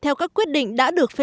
theo các quyết định đã được thực hiện